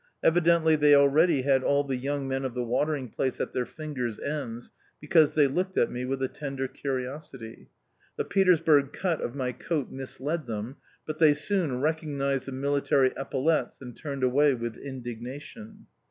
Evidently they already had all the young men of the watering place at their fingers' ends, because they looked at me with a tender curiosity. The Petersburg cut of my coat misled them; but they soon recognised the military epaulettes, and turned away with indignation.